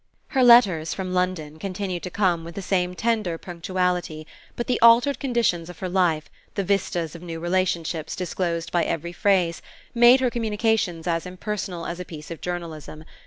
Her letters, from London, continued to come with the same tender punctuality; but the altered conditions of her life, the vistas of new relationships disclosed by every phrase, made her communications as impersonal as a piece of journalism.